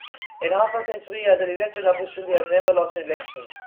In half a century as an elected official, he has never lost an election.